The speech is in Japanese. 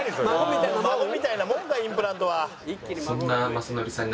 孫みたいなもんだインプラントは。